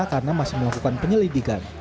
karena masih melakukan penyelidikan